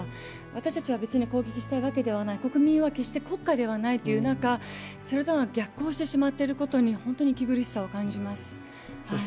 私たちは別に攻撃したいわけではない、国民は決して国家ではないとそれとは逆行してしまっていることに本当に息苦しさを感じます。